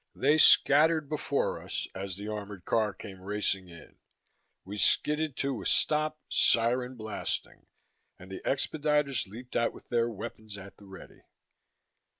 They scattered before us as the armored car came racing in; we skidded to a stop, siren blasting, and the expediters leaped out with their weapons at the ready.